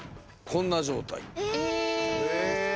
こんな状態。